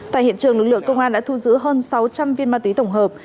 tại hiện trường lực lượng công an đã thu giữ hơn sáu trăm linh viên ma túy tổng hợp